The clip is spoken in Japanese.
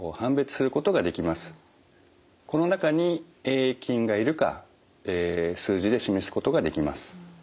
この中にＡ．ａ．菌がいるか数字で示すことができます。